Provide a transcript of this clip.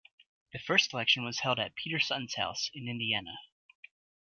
The first election was held at Peter Sutton's house in Indiana.